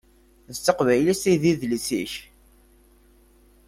D taqbaylit i d idles-ik.